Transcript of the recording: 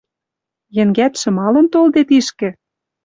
Енгӓтшӹ малын толде тишкӹ?